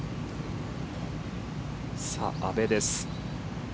阿部です。